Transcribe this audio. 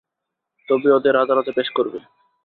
তবেই ওদের আদালতে পেশ করবে।